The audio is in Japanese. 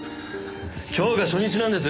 今日が初日なんです。